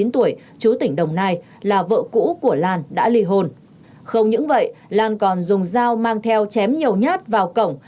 hai mươi chín tuổi chú tỉnh đồng nai là vợ cũ của lan đã lì hôn không những vậy lan còn dùng dao mang theo chém nhiều nhát vào cổng